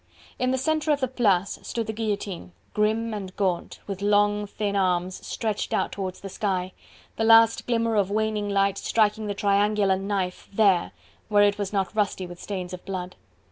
In the centre of the Place stood the guillotine, grim and gaunt with long, thin arms stretched out towards the sky, the last glimmer of waning light striking the triangular knife, there, where it was not rusty with stains of blood.